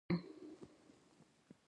د سیج پاڼې د څه لپاره وکاروم؟